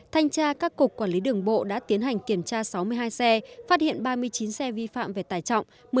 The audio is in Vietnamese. thanh tra các cục quản lý đường bộ đã tiến hành kiểm tra sáu mươi hai xe phát hiện ba mươi chín xe vi phạm về tải trọng